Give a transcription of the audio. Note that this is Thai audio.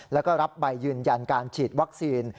แล้วก็รับใบยืนยันการฉีดวัคซีน